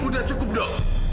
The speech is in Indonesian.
udah cukup do